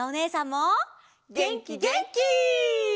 げんきげんき！